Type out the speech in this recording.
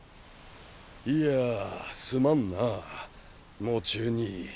いやすまんなぁ喪中に。